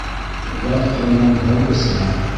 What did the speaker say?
Ят ҡулынан һыу эсмә.